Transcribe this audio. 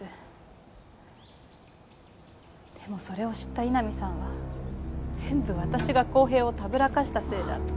でもそれを知った井波さんは全部私が浩平をたぶらかしたせいだって。